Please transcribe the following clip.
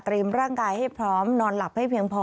ร่างกายให้พร้อมนอนหลับให้เพียงพอ